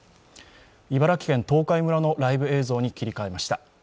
茨城県東海村のライブ映像に切り替えました。